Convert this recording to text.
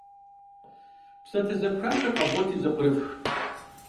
Псалъэ зэпхахэр къэвгъуэти зэпкърыфх.